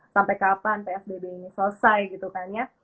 sampai kapan psbb ini selesai gitu kan ya